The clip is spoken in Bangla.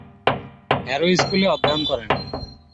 হ্যারো স্কুলে অধ্যয়ন করেন।